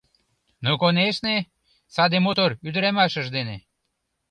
Ну, конешне, саде мотор ӱдырамашыж дене!